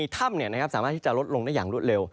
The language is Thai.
ถ้ำเนี่ยนะครับสามารถที่จะลดลงได้อย่างรวดเร็ว